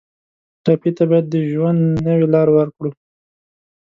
ټپي ته باید د ژوند نوې لاره ورکړو.